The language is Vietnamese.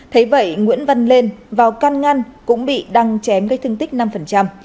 thấy vậy nguyễn văn lên vào căn ngăn cũng bị đăng chém gây thương tích năm